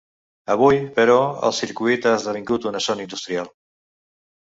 Avui, però, el circuit ha esdevingut una zona industrial.